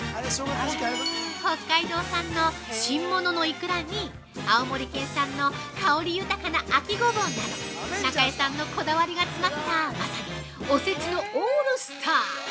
◆北海道産の新物のイクラに青森県産の香り豊かなあきごぼうなど中井さんのこだわりが詰まったまさにおせちのオールスター。